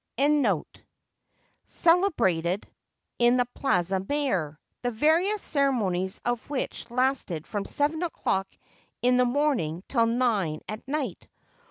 531 SPAIN in the Plaza Mayor, the various ceremonies of which lasted from seven o'clock in the morning till nine at night.